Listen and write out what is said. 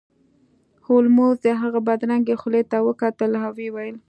هولمز د هغه بدرنګې خولې ته وکتل او ویې ویل